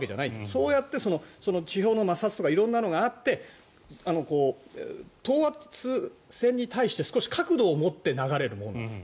そうやって地表の摩擦とか色んなのがあって等圧線に対して少し角度を持って流れるものなんです。